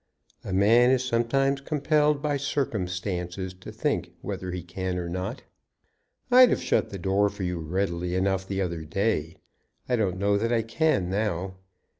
"A man is sometimes compelled by circumstances to think whether he can or not. I'd've shut the door for you readily enough the other day. I don't know that I can now.